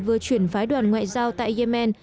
vừa chuyển phái đoàn ngoại giao tại yemen